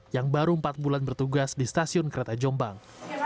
yang baru empat bulan bertugas di stasiun kereta jombang